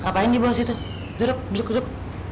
ngapain di bawah situ duduk duduk duduk